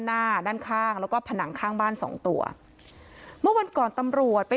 ด้านข้างแล้วก็ผนังข้างบ้านสองตัวเมื่อวันก่อนตำรวจไป